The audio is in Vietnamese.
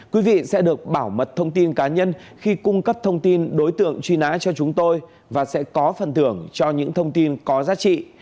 quý vị sẽ được bảo mật thông tin cá nhân khi cung cấp thông tin đối tượng truy nã cho chúng tôi và sẽ có phần thưởng cho những thông tin có giá trị